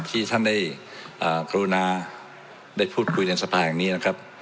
ที่ท่านได้กรุณาได้พูดคุยในสภาแห่งนี้นะครับ